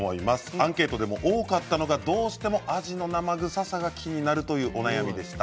アンケートでも多かったのがどうしてもアジの生臭さが気になるというお悩みでした。